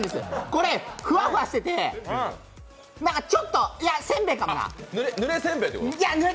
これふわふわしててちょっといや、せんべいか、これ。